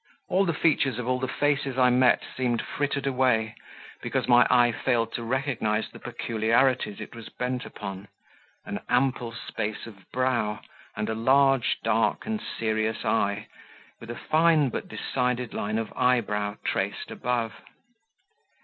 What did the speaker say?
All the features of all the faces I met seemed frittered away, because my eye failed to recognize the peculiarities it was bent upon; an ample space of brow and a large, dark, and serious eye, with a fine but decided line of eyebrow traced above.